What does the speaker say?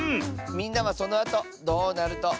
みんなはそのあとどうなるとおもう？